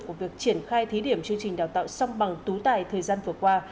của việc triển khai thí điểm chương trình đào tạo song bằng tú tài thời gian vừa qua